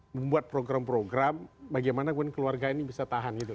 membuat program program bagaimana kemudian keluarga ini bisa tahan gitu